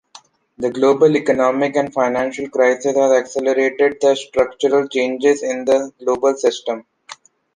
The global economic and financial crisis has accelerated the structural changes in the global system.